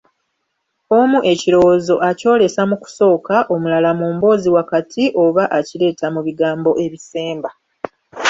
Omu ekirowoozo akyolesa mu kusooka, omulala mu mboozi wakati oba akireeta mu bigambo ebisemba.